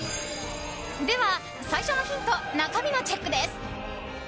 では、最初のヒント中身のチェックです。